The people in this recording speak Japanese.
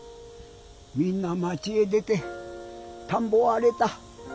みんなまちへ出てたんぼはあれた。